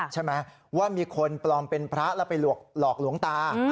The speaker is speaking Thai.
ใช่ไหมว่ามีคนปลอมเป็นพระแล้วไปหลอกหลวงตา